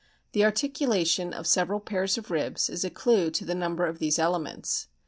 The articulation of several pairs of ribs is a clue to the number of those elements.